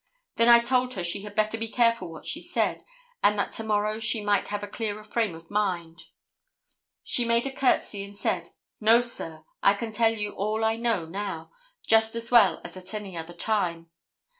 Then I told her she had better be careful what she said, and that to morrow she might have a clearer frame of mind. She made a courtesy and said, 'No, sir, I can tell you all I know now, just as well as at any other time.